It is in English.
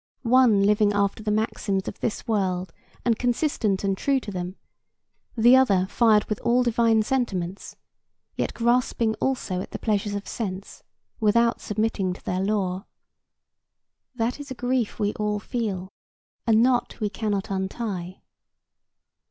One living after the maxims of this world and consistent and true to them, the other fired with all divine sentiments, yet grasping also at the pleasures of sense, without submitting to their law. That is a grief we all feel, a knot we cannot untie.